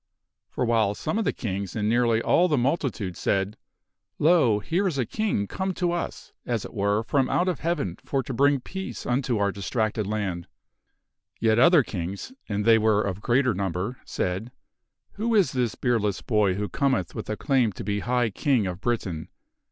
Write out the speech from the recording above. For while some of the kings and nearly all the multitude said, " Lo ! here is a king come to us, as it were, from out of Heaven for to bring peace unto our distracted land," yet other kings (and they were of greater number) said, " Who is this beardless boy who cometh with a claim to be High King of Britain?